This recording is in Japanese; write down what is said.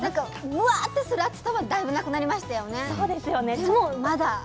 うわっとする暑さはあまりなくなりましたね。